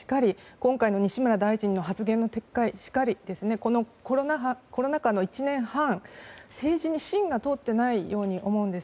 今回の西村大臣の発言の撤回しかりコロナ禍の１年半、政治に芯が通っていないように思うんです。